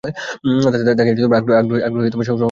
তাকে একজন আগ্রহী সংগ্রাহক বলা হয়ে থাকে।